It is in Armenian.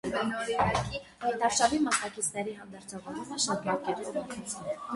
Գիտարշավի մասնակիցների հանդերձավորումը շատ բարդ կերպով ընթացավ։